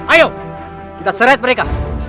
ayo kita seret mereka